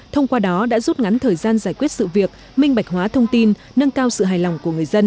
thông qua đó đã rút ngắn thời gian giải quyết sự việc minh bạch hóa thông tin nâng cao sự hài lòng của người dân